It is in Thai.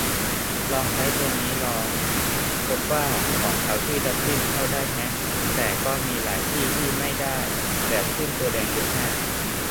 ลองใช้ตัวนี้ลอง พบว่า ของเขาที่ดับลินเข้าได้แฮะ แต่ก็มีหลายที่ที่ไม่ได้ แบบขึ้นตัวแดงเยอะมาก